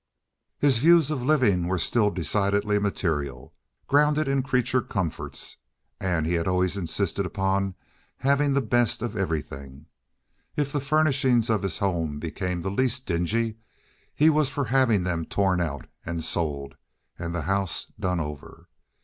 His views of living were still decidedly material, grounded in creature comforts, and he had always insisted upon having the best of everything. If the furnishings of his home became the least dingy he was for having them torn out and sold and the house done over.